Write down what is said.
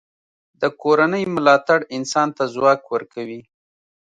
د کورنۍ ملاتړ انسان ته ځواک ورکوي.